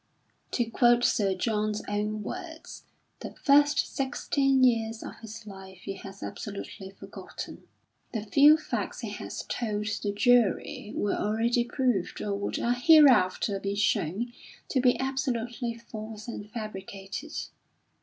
To quote Sir John's own words: "The first sixteen years of his life he has absolutely forgotten; the few facts he had told the jury were already proved, or would hereafter be shown, to be absolutely false and fabricated.